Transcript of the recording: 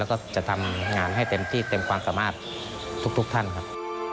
แล้วก็จะทำงานให้เต็มที่เต็มความสามารถทุกท่านครับ